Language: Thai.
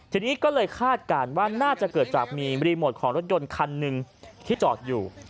ทีนี้ก็เลยคาดการณ์ว่าน่าจะเกิดจากมีรีโมทของรถยนต์คันหนึ่งที่จอดอยู่